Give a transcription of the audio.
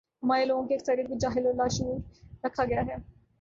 ہمارے لوگوں کی اکثریت کو جاہل اور لاشعور رکھا گیا ہے۔